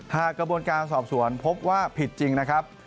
กระบวนการสอบสวนพบว่าผิดจริงนะครับ